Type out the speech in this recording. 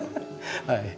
はい。